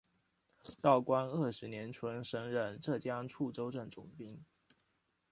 道光二十年春升任浙江处州镇总兵。